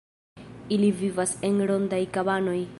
Ili vivas en rondaj kabanoj.